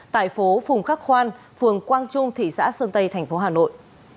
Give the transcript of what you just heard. tại phố phùng khắc khoan phường quang trung thị xã sơn tây thành phố hà nội